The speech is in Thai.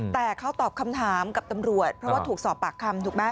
แต่เขาตอบคำถามกับตำรวจเพราะว่าถูกสอบปากคำถูกไหม